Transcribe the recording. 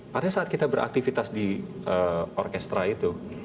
pada saat kita beraktivitas di orkestra itu